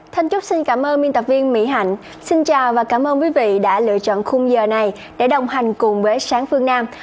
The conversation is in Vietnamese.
thân chúc xin cảm ơn biên tập viên mỹ hạnh xin chào và cảm ơn quý vị đã lựa chọn khung giờ này để đồng hành cùng với sáng phương nam